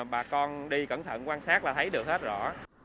bà con đi cẩn thận quan sát là thấy được hết rõ